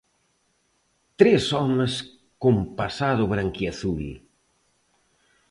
Tres homes con pasado branquiazul.